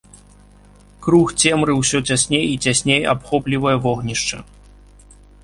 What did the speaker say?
Круг цемры ўсё цясней і цясней абхоплівае вогнішча.